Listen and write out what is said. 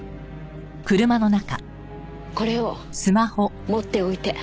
これを持っておいて。